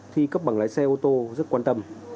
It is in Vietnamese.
thi cấp bằng lái xe ô tô rất quan tâm